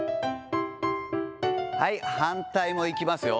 はい、反対もいきますよ。